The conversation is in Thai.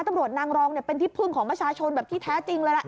ตำรวจนางรองเป็นที่พึ่งของประชาชนแบบที่แท้จริงเลยล่ะ